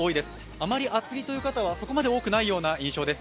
あまり厚着という方はそこまで多くない印象です。